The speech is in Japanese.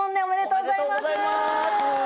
おめでとうございます。